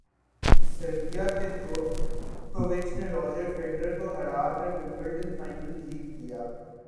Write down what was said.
Serbia کے جوکووچ نے راجر فیڈرر کو ہرا کر ومبلڈن فائنل جیت لیا